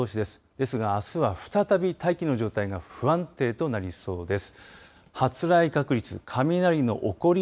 ですが、あすは再び大気の状態が不安定となりそうです。